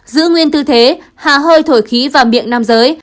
giữ nguyên tư thế hạ hơi thổi khí vào miệng nam giới